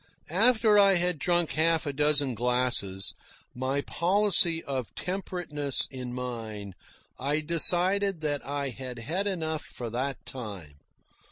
After I had drunk half a dozen glasses, my policy of temperateness in mind, I decided that I had had enough for that time.